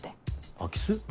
空き巣？